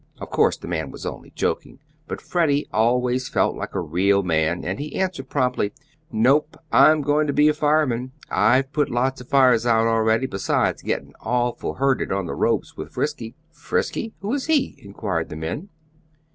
Of course the man was only joking, but Freddie always felt like a real man and he answered promptly: "Nope, I'm goin' to be a fireman. I've put lots of fires out already, besides gettin' awful hurted on the ropes with 'Frisky.'" "Frisky, who is he?" inquired the men.